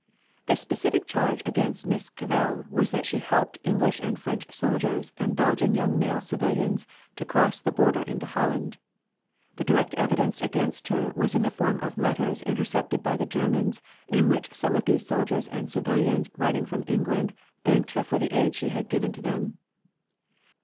The specific charge against Miss Cavell was that she had helped English and French soldiers and Belgian young male civilians to cross the border into Holland. The direct evidence against her was in the form of letters intercepted by the Germans in which some of these soldiers and civilians writing from England thanked her for the aid she had given to them.